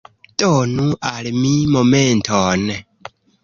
Donu al mi momenton!